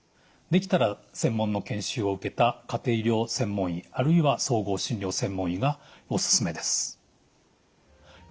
できたら専門の研修を受けた家庭医療専門医あるいは総合診療専門医がおすすめです。